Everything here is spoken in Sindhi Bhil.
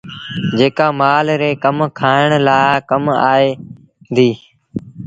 جيڪآ مآل ري کآڻ لآ ڪم آئي ديٚ۔